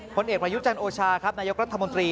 ผลเอกประยุจันทร์โอชาครับนายกรัฐมนตรี